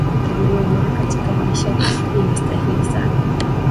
chaguo bora katika maisha linastahili sana